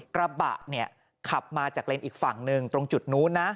กระบะเนี่ยขับมาจากเลนส์อีกฝั่งหนึ่งตรงจุดนู้นนะ